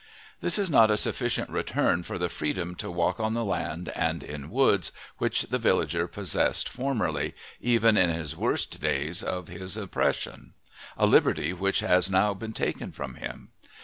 This is not a sufficient return for the freedom to walk on the land and in woods, which the villager possessed formerly, even in his worst days of his oppression, a liberty which has now been taken from him.